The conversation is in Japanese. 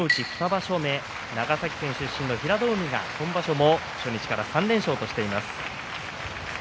２場所目長崎県出身の平戸海が今場所も初日から３連勝としています。